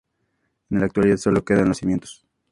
En la actualidad solo quedan los cimientos.